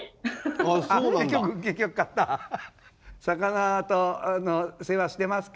魚の世話してますか？